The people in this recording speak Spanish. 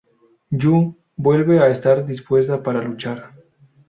Yuu vuelve a estar dispuesta para luchar.